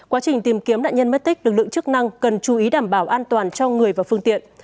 quá trình tìm kiếm nạn nhân mất tích lực lượng chức năng cần chú ý đảm bảo an toàn cho người và phương tiện